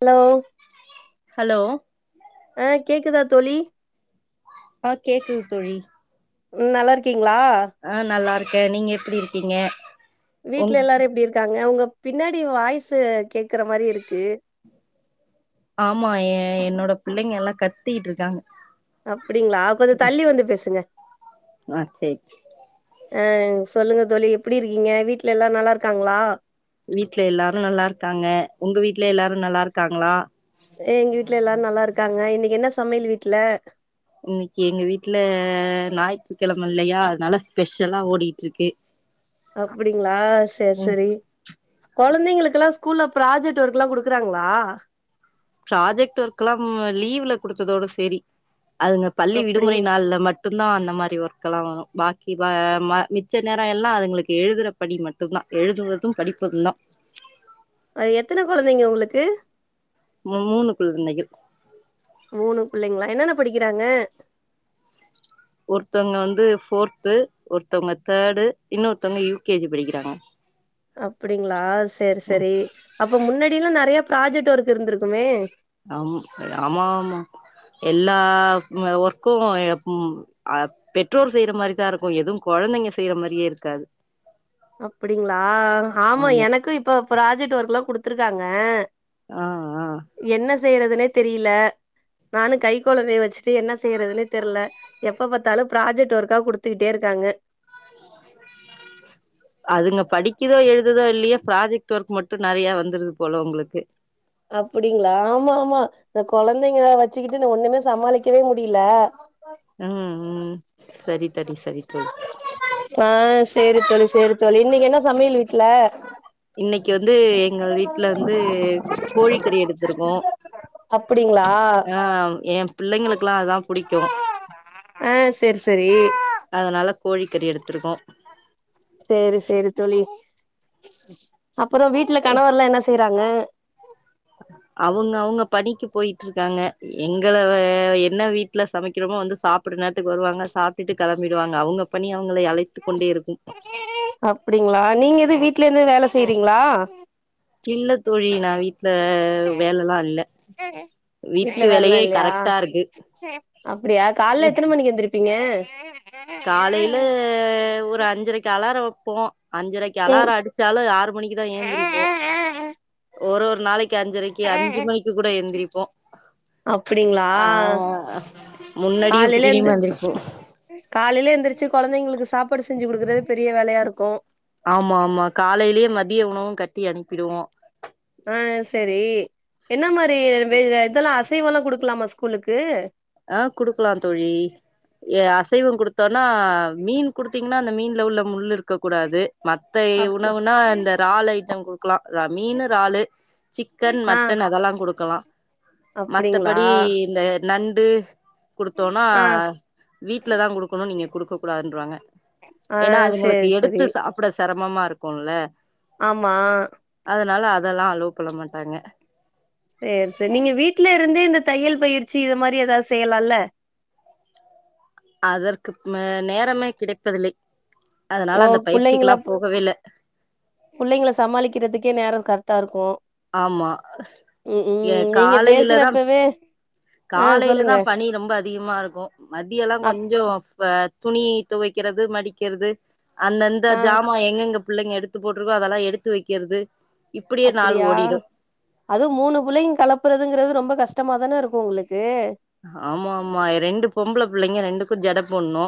hello hello ஆஹ் கேக்குதா தோழி ஆ கேக்குது தோழி ம் நல்லாருக்கீங்களா ஆ நல்லா இருக்கே நீங்க எப்டி இருக்கீங்க வீட்ல உங்க எல்லாரு எப்டி இருக்காங்க உங்க பின்னாடி வாய்ஸ்சு கேக்குற மாறி‌ இருக்கு ஆமா ஏ என்னோட பிள்ளைங்க எல்லா கத்திகிட்டு இருக்காங்க அப்டிங்களா கொஞ்சோ தள்ளி வந்து பேசுங்க ஆ சேரி ஆ சொல்லுங்க தோழி எப்டி இருக்கீங்க வீட்ல எல்லாரு நல்லா இருக்காங்களா வீட்ல எல்லாரு நல்லா இருக்காங்க உங்க வீட்ல எல்லாரு நல்லா இருக்காங்களா எங்க வீட்ல எல்லாரு நல்லா இருக்காங்க இன்னக்கி என்ன சமையல் வீட்ல இன்னக்கி எங்க வீட்ல ஞாயித்துக்கெழம இல்லையா அதனால ஸ்பெஷலா ஓடிட்டு இருக்கு அப்டிங்களா சேரி ம் செரி கொழந்தைங்களுக்கெல்லா ஸ்கூல்ல ப்ராஜெக்ட் ஒர்க்ல்லா குடுக்குறாங்களா ப்ராஜெக்ட் ஒர்க்ல்லாம் லீவ்ல குடுத்ததோட செரி அதுங்க பள்ளி அப்டிங் விடுமுறை நாள்ல மட் டுந்தா அந்த மாரி ஒர்கெல்லா வரு பாக்கி வா மிச்ச நேரோ எல்லா அதுங்களுக்கு எழுதுற பணி மட்டுந்தா எழுதுவது படிப்பதுந்தா ஆ எத்தன கொழந்தைங்க உங்களுக்கு மூ மூணு குழந்தைகள் மூணு புள்ளைங்களா என்னென்ன படிக்கிறாங்க ஒருத்தவங்க வந்து ஃபோர்த்து ஒருத்தவங்க தேர்டு இன்னொருத்தவங்க யூ கே ஜி படிக்கிறாங்க அப்டிங்களா சேரி சேரி அப்ப முன்னாடியெல்லா நெறையா ப்ராஜெக்ட் ஒர்க் இருந்துருக்குமே ஆமா ஆமா ஆமா எல்லா ஒர்க்கு ம் ஆ பெற்றோர் செய்யிற மாரிதா இருக்கு எதுவு கொழந்தைங்க செய்ற மாரியே இருக்காது அப்டிங்களா ஆமா எனக்கு இப்ப ப்ராஜெக்ட் ஒர்க்ல்லா குடுத்துருக்காங்க ஆ ஆ என்ன செய்றதுன்னே தெரில நானு கை கொழந்தைய வச்சிட்டு என்ன செய்றதுன்னே தெரில எப்ப பாத்தாலு ப்ராஜெக்ட் ஒர்க்கா குடுத்துக்கிட்டே இருக்காங்க அதுங்க படிக்குதோ எழுதுதோ இல்லையோ ப்ராஜெக்ட் ஒர்க் மட்டு நெறையா வந்துருது போல உங்களுக்கு அப்டிங்களா ஆமா ஆமா இந்த கொழந்தைங்கள வச்சிக்கிட்டு நா ஒண்ணுமே சமாளிக்கவே முடியல ம் ம் சரி தோழி சரி தோழி ஆ சேரி தோழி சேரி தோழி இன்னக்கி என்ன சமையல் வீட்ல இன்னக்கி வந்து எங்க வீட்ல வந்து கோழிக்கறி எடுத்துருக்கோ அப்டிங்களா ஆ ஏ புள்ளைங்களுக்குல்லா அதா புடிக்கு ஆ சேரி சேரி அதனால கோழிக்கறி எடுத்துருக்கோ சேரி சேரி தோழி அப்பறோ வீட்ல கணவர்ல்லா என்ன செய்றாங்க அவுங்கவுங்க பணிக்கி போயிட்டு இருக்காங்க எங்கள என்ன வீட்ல சமைக்கிறோமோ வந்து சாப் ட்ற நேரத்துக்கு வருவாங்க சாப்டுட்டு கெளம்பிடுவாங்க அவுங்க பணி அவுங்களை அழைத்து கொண்டே இருக்கும் அப்டிங்களா நீங்க எது வீட்ல இருந்து வேல செய்றீங்களா இல்ல தோழி நா வீட்ல வேலல்லா இல்ல வீட்ல வீட்டு வேலல்லா வேலையே இல்லையா கரெக்டா இருக்கு அப்டியா கால்ல எத்தன மணிக்கி எந்திரிப் பீங்க காலையில ஒரு அஞ்சரைக்கு அலாரோ வெப்போ அஞ்சரைக் அலாரோ அடிச்சாலு ஆறு மணிக்குதா ஏந்திரிப்போ ஒரு ஒரு நாளைக்கு அஞ்சரைக் கி அஞ்சு மணிக்கு கூட ஏந்திரிப்போ அப்டிங்களா ஆ முன்னடியு காலையில எந்து பின்னாடியுமா எந்திரிப்போ காலையில எந்திருச்சு கொழந்தைங்களுக்கு சாப்பாடு செஞ்சு குடுக்கறது பெரிய வேலையா இருக்கோ ஆமா ஆமா காலையிலயே மதிய உணவும் கட்டி அனுப் ஆ செரி என்ன மாரி வெய்வ இதெல்லா அசைவல்லா குடுக்கலாமா ஸ்கூலுக்கு ஆ குடுக்கலா தோழி அசைவம் குடுத்தோன்னா மீன் குடுத்து ன்னா அந்த மீன்ல உள்ள முள் இருக்க கூடாது மத்த அப் உணவுனா இந்த ரால் ஐட்டம் குடு க்லா மீனு ராலு சிக்கன் ஆ மட்டன் அதெல்லா குடுக்கலா அப்டிங்களா மத்தபடி இந்த நண்டு குடுத்தோன்னா ஆ வீட்ல தா குடுக்கணு நீங்க குடுக்க கூடாதுன்றுவாங்க ஆ ஏன்னா சேரி அதுங்களுக்கு எடுத்து சேரி சாப்ட செரமமா இருக்கும்ல ஆமா அதனால அதெல்லா அலோவ் பண்ண மாட்டாங்க சேர் செர் நீங்க வீட்ல இருந்தே இந்த தையல் பயிற்சி இத மாரி எதாவ் செய்யலால அதற்கு ம நேரமே கிடைப்பதில்லை அதனால ஓ அந்த புள்ளைங்கள பயிற்சிக்குல்லா போகவே இல்ல புள்ளைங்கள சமாளிக்கிறதுக்கே நேரோ கரெக்டா இருக்கு ஆமா ம் ஏ ம் நீங்க காலையில தா பேசுறப்பவே ஆ காலையில தா சொல்லுங்க பனி ரொம்ப அதிகமாருக்கு மதியல்லா கொஞ் அப் சோ பா துணி தொவைக்கிறது மடிக்கிறது அந்தந்த ஆ ஜாமா எங்கெங்க பிள்ளைங்க எடுத்து போட்ருக்கோ அதெல்லா எடுத்து வெக்கறது அப்படியா அதுவு மூணு பிள்ளைங்கள கலப்புறதுங்கறது ரொம்ப கஷ்டமாதான இருக்கு உங்களுக்கு ஆமாமா ரெண்டு பொம்பள பிள்ளைங்க ரெண்டுக்கு ஜட போட்ணு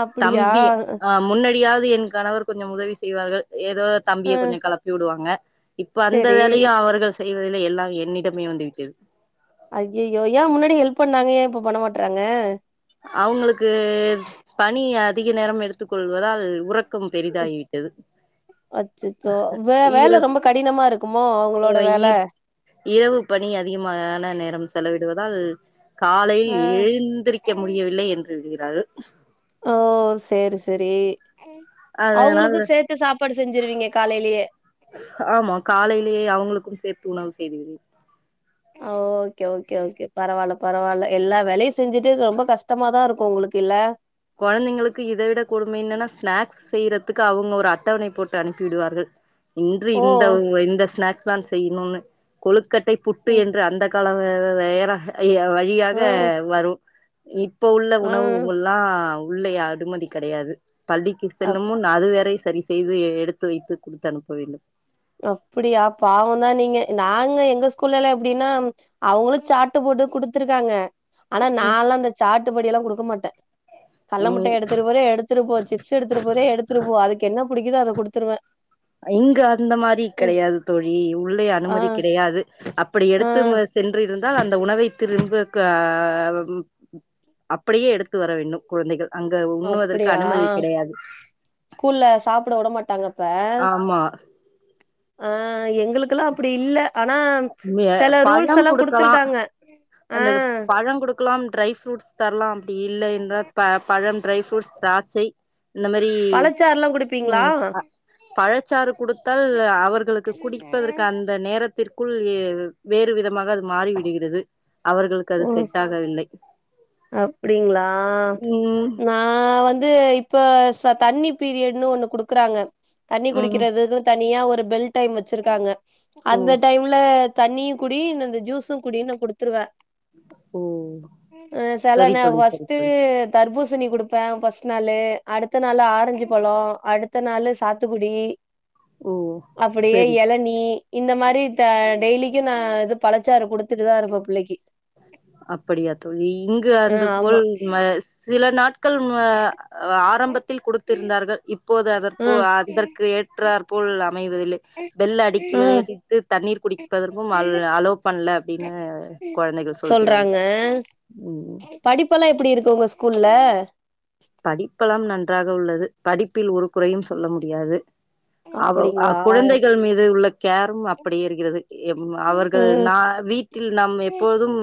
அப்பிடியா தம்பி ஆ முன்னடியாவ்து என் கணவர் கொஞ்சம் உதவி செய்வார்கள் ஏதோ ஆ தம்பிய கொஞ்சோ கெளப் ப்பி விடுவாங்க இப்ப அந்த செரி வேலையு அவர்கள் செய்வதில்லை எல்லா என்னிடமே வந்து விட்டது ஐய்யய்யோ ஏன் முன்னாடி ஹெல்ப் பண்ணாங்க ஏன் இப்ப பண்ண மாட்றாங்க அவுங்களுக்கு பனி அதிக நேரம் எடுத்துக் கொள்வதால் உறக் க்கம் பெரிதாகிவிட்டது அச்சச்சோ வே வேல ஈரம் ரொம்ப கடினமா இருக்குமோ அவங்களோட வேல இரவு பணி அதிகமான நேரம் செலவிடுவதால் காலையில் ஆ எழுந்திரிக்க முடியவில்லை என்று எழுகிறார்கள் ஓ சேரி செரி அதனால் அவுங்குளுக்கு சேத் து சாப்பாடு செஞ்சிருவீங்க காலையிலயே ஆமா காலையிலயே அவங்களுக்கும் சேத்து உணவு செய்து விடுவே ஓகே ஓகே ஓகே பரவால்ல பரவால்ல எல்லா வேலையும் செஞ்சுட்டு ரொம்ப கஷ்டமாதா இருக்கும் உங்களுக்கு இல்ல கொழந்தைங்களுக்கு இத விட கொடுமை என்னன்னா ஸ்நாக்ஸ் செய்றத்துக்கு அவுங்க ஒரு அட்டவணை போட்டு அனுப்பிவிடுவார்கள் இன்று ஓ இந்த இந்த ஸ்நாக்ஸ் தான் செய்னோனு கொழுக்கட்டை புட்டு ம் என்று அந்த கால வேற வழியாக ம் வரும் இப்போ உள்ள ஆ உணவுங்கள்லா உள்ளை அனுமதி கெடயாது பள்ளிக்கு ஆ செல்லும் முன் நா அது வேறை சரி செய்து எடுத்து வைத்து குடுத்து அனுப்ப வேண்டும் அப்டியா பாவந்தா நீங்க நாங்க எங்க ஸ்கூல்லல்லா எப்டின்னா அவங்களு சாட்டு போட்டு குடுத்துருக்காங்க ஆனா நால்லா அந்த சாட்டுபடி எல்லா குடுக்க மாட்ட கள்ள ம் முட்டாய் எடுத்துட்டு போற எடுத்துட்டு போச்சு ச்சி எடுத்துட்டு போதே எடுத்துட்டு போ அதுக் என்ன புடிக்குதோ அத குடுத்துருவ இங்க இந்த மாரி கெடையாது தோழி உள்ளே ஆ அனுமதி கிடையாது அப்படி ஆ எடுத்து சென்றிருந் தா அந்த உணவை திரும்ப க ம் அப்படியே எடுத்து வர வேண்டும் குழந்தைகள் அங்க உண்ணுவதற்கு அப்டியா அனுமதி கிடையாது ஸ்கூல்ல சாப்ட விட மாட்டாங்க ஆமா அ எங்களுக்கல்லா அப்டி இல்ல ஆனா செல ரூல்ஸ் பழம் எல்லா குடுக்கலா குடுத்துருக்காங்க ஆ அந்த பழோ குடுக்கலாம் ட்ரை ஃப்ரூட்ஸ் தர்லா அப்டி இல்லை என்றா ப பழம் ட்ரை ஃப்ரூட்ஸ் திராட்சை இந்த மாரி பழச்சாறுலா குடிப்பீங்களா ம் ஆ பழச்சாறு குடுத்தால் அவர்களுக்கு குடிப்பதற்கு அந் த நேரத்திற்குள் வேறு விதமாக அது மாறிவிடுகிறது அவர்களுக்கு அது செட் ஆகவில்லை அப்டிங்ளா ம் எங்க ஆ வந்து இப்ப ச தண்ணி பீரியட்ன்னு ஒண்ணு குடுக்குறாங்க தண்ணி ம் குடிக்கிறது தனியா ஒரு பெல் டைம் வச்சிருக்காங்க ஓ அந்த டைம் உள்ள தண்ணியு குடி இந்த இந்த ஜூஸு குடின்னு குடுத்துருவ ஓ அ செல சரி ந தோழி சரி வஸ்ட்டு தோழி தர்பூசணி குடுப்ப ஃபஸ்ட்டு நாளு அடுத்த நாளு ஆரஞ்சு பழோ அடுத்த நாளு சாத்துக்குடி ஓ அப்படியே சரி எளநீ இந்த மாரி த டெய்லிக்கி நா இது பழச்சாரு குடுத்துட்டு தா இருப்ப பிள்ளைக்கி அப்படியா தோழி இங்கு ஆ அந்த போல் ஆமா அ சில நாட்கள் அ ஆரம்பத்தில் குடுத்திருந்தார்கள் இப்போது அத ஆ அதற்கு ஏற்றார் போல் அமைவதில்லை பெல் அடிக்கை ஆ அடித்து தண்ணீர் குடிப்பதற்கும் அல் அலோப் பண்ல அப்டின்னு கொழந்தைகள் சொல்கிறாள் சொல்றாங்க ம் ம் படிப்பெல்லா எப்டி இருக்கு உங்க ஸ்கூல்ல படிப்பெலாம் நன்றாக உள்ளது படிப்பில் ஒரு குறையும் சொல்ல முடியாது அவ் ஆ அப்டிங்களா குழந்தைகள் மீது உள்ள கேரும் அப்படியே இருக்கிறது ம் அவர்கள் ம் நா வீட் வீட்டில் நாம் எப்போதும்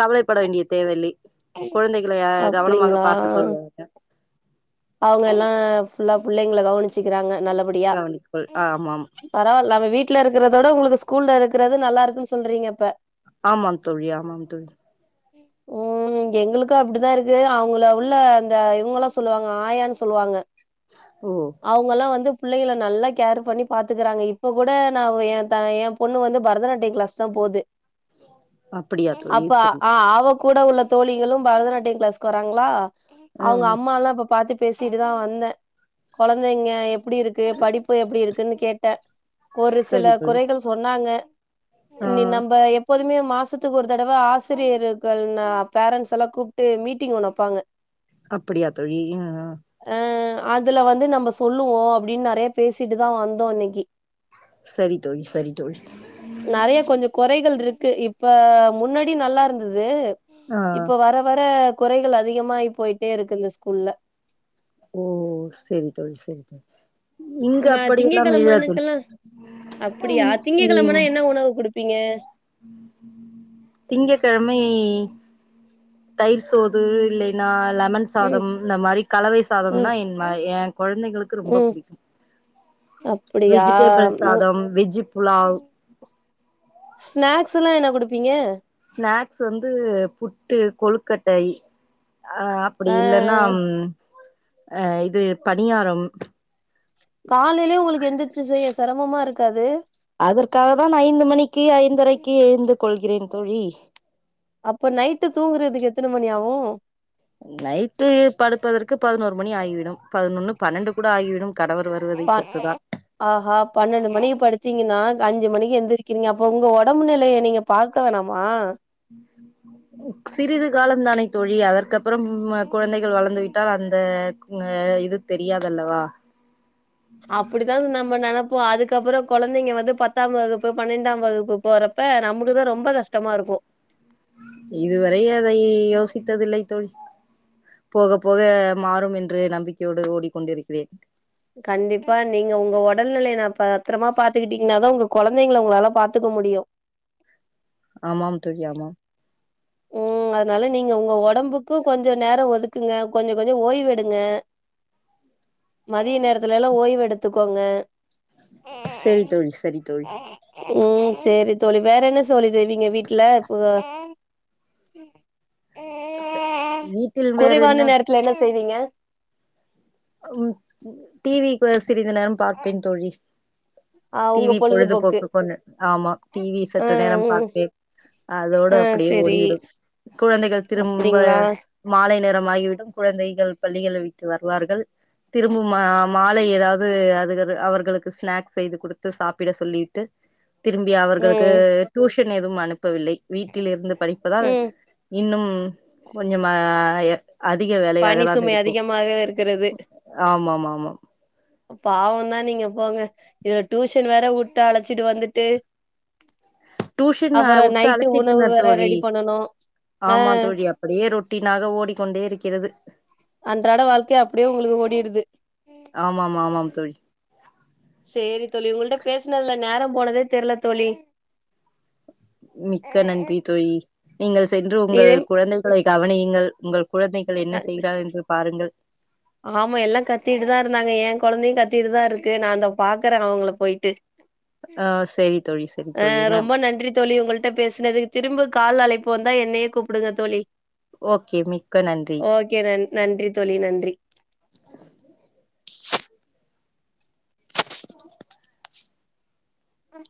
கவலைப்பட வேண்டிய தேவையில்லை குழந்தைகளை அ கவனமாக அப்டிங்களா பார்த்துக் கொள்வாக அவங்க எல்லா ஃபுல்லா புள்ளைங்கள கவனிச்சிக்கிறாங்க நல்லா கவனிக்குள் ஆமாம் பரவால்ல அவ வீட்ல இருக்றதோட உங்ளுக்கு ஸ்கூல்லல இருக்கறது நல்லா இருக்குன் சொல்றீங்க அப்ப ஆமாங் தோழி ஆமாம் தோழி ம் எங்ளுக்கு அப்டிதா இருக்கு அவங்கள உள்ள இந்த இவங்களா சொல்லுவாங் ஆயான் சொல்லுவாங்க ஓ அவங்கல்லா வந்து புள்ளைங்கள நல்லா கேர் பண்ணி பாத்துக்குறாங்க இப்ப கூட நா எ த எ பொண்ணு வந்து பரதநாட்டியோ க்ளஸ் தா போது அப்படியா தோழி அப்ப சரி ஆ அவ கூட உள்ள தோழிகளு பரதநாட்டிய கிளாஸ்க்கு வராங்களா ஆ அவுங்க அம்மால்லா இப்ப பாத்து பேசிட்டு தா வந்தே கொழந்தைங்க எப்டி இருக்கு படிப் பு எப்டி இருக்குன்னு கேட்டே ஒரு சில சரி தோழி குறைகள் சொன்னாங்க ஆ இனி நம்ம எப் பதுமே மாசத்துக்கு ஒரு தடவ ஆசிரியர்கள் ந பேரண்ட்ஸ்ஸல்லா கூப்ட்டு மீட்டிங் ஒண்ணு வப்பாங்க அப்பிடியா தோழி அ அ அ அதுல வந்து நம்ம சொல்லுவோ அப்டின் நெறைய பேசிட்டு தா வந்தோ இன்னக்கி சரி தோழி சரி தோழி நெறைய கொஞ்சோ கொறைகள் இருக்கு இப்ப முன்னாடி நல்லா இருந்தது ஆ இப்ப வர வர குறைகள் அதிகமாயி போயிட்டே இருக்கு இந்த ஸ்கூல்ல ஓ சேரி தோழி சேரி தோழி இங்க நம்ம அப்டியல்லா இல்ல தோழி திங்ககெழமனுக்கெல்லா அப்டியா திங்க கெழமேன்னா என்ன உணவு குடுப்பிங்க திங்க கெழமை தயிர் சோது இல்லேனா லெமன் ம் சாதம் இந்த மாரி கலவை ம் சாதம்னா என் ம எ கொழந்தைகளுக்கு ரொம்ப ம் புடிக்கு அப்டியா வெஜிடேபிள் ம் சாதம் வெஜ்ஜு புலாவ் ஸ்நாக்ஸ்ஸல்லா என்ன குடுப்பீங்க ஸ்நாக்ஸ் வந்து புட்டு கொழுக்கட்டை அ அப்டி அ இல்லன்னா அ அ இது பணியாரம் காலேலயே உங்களுக்கு எந்துச்சு செய்ய செரமமா இருக்காது அதற்காக தான் ஐந்து மணிக்கு ஐந்தரைக்கு எழுந்து கொள்கிறேன் தோழி அப்போ நைட்டு தூங்குறதுக்கு எத்தன மணி ஆகு நைட்டு படுப்பதற்கு பதனோரு மணி ஆகிவிடும் பதனொன்னு பன்னண்டு கூட ஆகிவிடும் கணவர் வ பாக் ஆஹா பன்னண்டு மணிக்கி படுத்திங்கன்னா அஞ்சு மணிக்கு எந்திரிக்கிறீங்க அப்ப உங்க ஒடம்பு நிலைய நீங்க பார்க்க வேணாமா சிறிது காலம் தானே தோழி அதற்கப் பறம் வ குழந்தைகள் வளர்ந்து விட்டால் அந்த க இது தெரியாதல்லவா அப்புடிதா நம்ம நெனப்போ அதுக்கப்பறோ கொழந்தைங்க வந்து பத்தாம் வகுப்பு பன்னெண்டாம் வகுப்பு போற ப்ப நமக்கு தா ரொம்ப கஷ்டமா இருக்கு இதுவரை அதை யோசிக்கவில்லை தோழி போக போக மாறும் என்று நம்பிக்கையோடு ஓடிக்கொண்டிருக்கிறேன் கண்டிப்பா நீங்க ஒங்க ஒடல்நிலைய நா பத்தரமா பாத்துக்கிட்டீங்ன்னாதா ஒங்க கொழந்தைங்கள ஒங்களால பாத்துக்க முடியு ஆமாம் தோழி ஆமாம் ம் அதுனால நீங்க உங்க ஒடம்புக்கு கொஞ்சோ நேரோ ஒதுக்குங்க கொஞ்சோ கொஞ்சோ ஓய்வெடுங்க [inaudible] மதிய நேரத்துலேல்லா ஓய்வெடுத்துக்கோங்க சேரி தோழி சரி தோழி ம் சேரி தோழி வேற என்ன சோலி செய்வீங்க வீட்ல சுக வீட்டில் வேற என்ன குறைவான நேரத்துல என்ன செய்விங்க ம் டி விக்கு சிறிது நேரம் பார்ப்பேன் தோழி ஆ டி உங்க வி பொழுதுபோக்கு கொண்ணு ஆமா டி வி ஆ சற்று நேரம் ம் பார்ப்பேன் அதோடு ஆ அப்டியே செரி ஓடிவிடும் குழந்தைகள் திரும்ப அப்டிங்களா மாலை நேரம் ஆகிவிடும் குழந்தைகள் பள்ளிகள விட்டு வருவார்கள் திரும்ப மா மாலை எதாவது அதுகது அவர்களுக்கு ஸ்நாக்ஸ் செய்து குடுத்து சாப்பிட சொல்லி திரும்பி அவர்களுக்கு ம் டியூஷன் ஏதும் அனுப்பவில்லை வீட்டில் இருந்து படிப்பதால் ம் இன்னும் கொஞ்சமா அதிக வேலையாக தான் இருக்கு மாக இருக்கிறது ஆமாமா ஆமா பாவந்தா நீங்க போங்க இத டியூஷன் வேற வுட்டு அழைச்சிட்டு வந்துட்டு டியூஷன் அப்பற விட்டு நைட்டு அழைச்சிட்டு உணவு இருந்தேன் வேற தோழி ரெடி பண்ணணு அ ஆமா தோழி அப்படியே ரொட்டீனாக ஓடிக்கொண்டே இருக்கிறது அன்றாட வாழ்க்கை அப்டியே உங்ளுக்கு ஓடிடுது ஆமாம் ஆமாம் தோழி சேரி தோழி உங்கள்ட பேசுனதுல நேரம் போனதே தெர்ல தோழி மிக்க நன்றி தோழி நீங்கள் சென்று உங்கள் இதே குழந்தை உங்களை கவனியுங்கள் உங்கள் குழந்தைகள் என்ன செய்கிறார் என்று பாருங்கள் ஆமா எல்லா கத்திட்டுதா இருந்தாங்க எ குழந்தையு கத்திட்டுதா இருக்கு நா அதோ பாக்கறே அவுங்கள போயிட்டு ஆ செரி அ ரொம்ப நன்றி தோழி உங்கள்ட பேசுனது திரும்ப கால் அழைப்பு வந்தா என்னையே கூப்புடுங்க தோழி ஓகே மிக்க நன்றி ஓகே நன் நன்றி தோழி நன்றி ம்